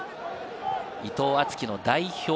伊藤敦樹の代表